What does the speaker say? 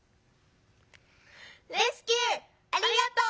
「レスキューありがとう！